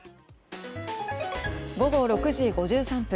午後６時５３分。